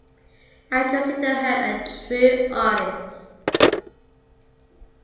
I consider her a true artist.